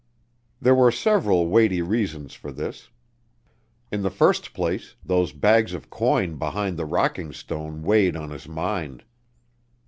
There were several weighty reasons for this. In the first place, those bags of coin behind the rocking stone weighed on his mind.